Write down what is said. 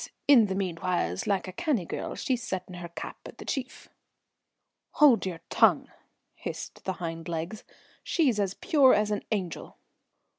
In the meanwhiles, like a canny girl, she's settin' her cap at the chief." "Hold your tongue!" hissed the hind legs. "She's as pure as an angel."